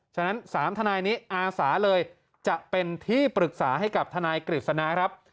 ฉะนั้น๓ทนายนี้อาสาเลยจะเป็นที่ปรึกษาให้กับทนายกฤษณาครับ